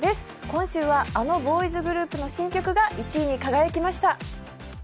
今週はあのボーイズグループの新曲が１位に輝きました。